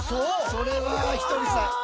それはひとりさん。